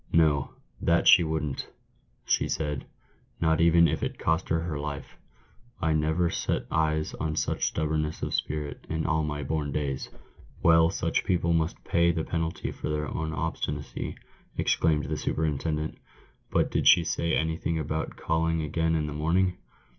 'No, that she wouldn't,' she said, ' not even if it cost her her life !' I never set eyes on such stubbornness of spirit in all my born days." " Well, such people must pay the penalty of their own obstinacy," exclaimed the superintendent. "But did she say anything about calling again in the morning